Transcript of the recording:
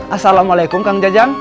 asalamualaikum kang jajang